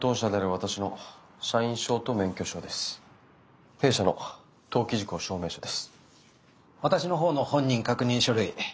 私の方の本人確認書類